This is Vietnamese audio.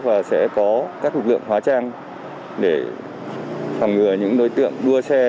và sẽ có các lực lượng hóa trang để phòng ngừa những đối tượng đua xe